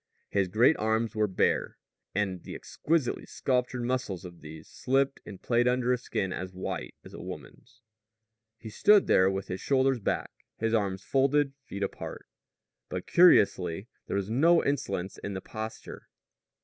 His great arms were bare; and the exquisitely sculptured muscles of these slipped and played under a skin as white as a woman's. He stood there with his shoulders back, his arms folded, feet apart. But, curiously, there was no insolence in the posture.